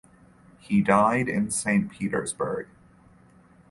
He died in St Petersburg.